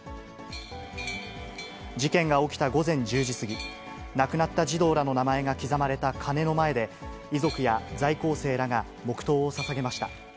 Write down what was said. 事件が起きた午前１０時過ぎ、亡くなった児童らの名前が刻まれた鐘の前で、遺族や在校生らが黙とうをささげました。